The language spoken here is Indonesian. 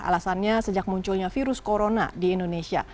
alasannya sejak munculnya virus corona di indonesia